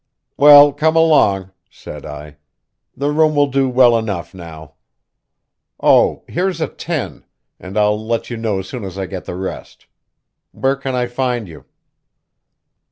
"Well, come along," said I. "The room will do well enough now. Oh, here's a ten, and I'll let you know as soon as I get the rest. Where can I find you?"